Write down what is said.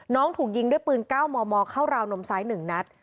ถูกยิงด้วยปืน๙มมเข้าราวนมซ้าย๑นัด